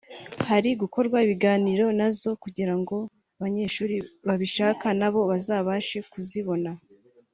hari gukorwa ibiganiro nazo kugira ngo abanyeshuri babishaka nabo bazabashe kuzibona